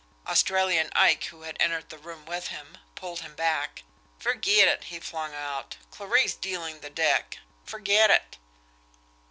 Australian Ike, who had entered the room with him, pulled him back. "Ferget it!" he flung out. "Clarie's dealin' the deck. Ferget it!"